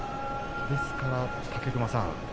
ですから武隈さん